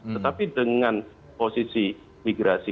tetapi dengan posisi migrasi